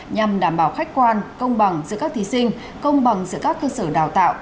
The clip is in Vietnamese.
nhằm đảm bảo khách quan công bằng giữa các thí sinh công bằng giữa các cơ sở đào tạo